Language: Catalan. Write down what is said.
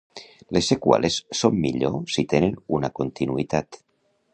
Les seqüeles són millor si tenen una continuïtat.